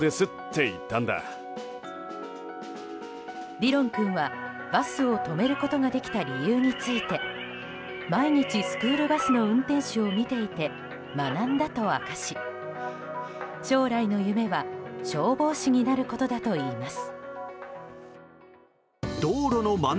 ディロン君はバスを止めることができた理由について毎日、スクールバスの運転手を見ていて学んだと明かし将来の夢は消防士になることだといいます。